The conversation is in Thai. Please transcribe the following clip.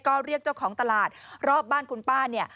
ก็เรียกเจ้าของตลาดรอบบ้านคุณป้าเนี่ย